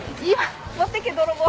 持ってけ泥棒！